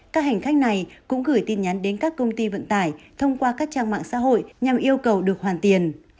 các hành khách này cũng gửi tin nhắn đến các công ty vận tải thông qua các trang mạng xã hội nhằm yêu cầu được hoàn tiền